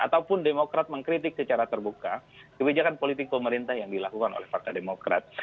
ataupun demokrat mengkritik secara terbuka kebijakan politik pemerintah yang dilakukan oleh partai demokrat